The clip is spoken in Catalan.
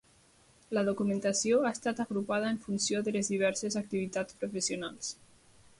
La documentació ha estat agrupada en funció de les diverses activitats professionals.